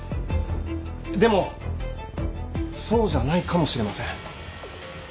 でもそうじゃないかもしれません。